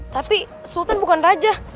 tapi sultan bukan raja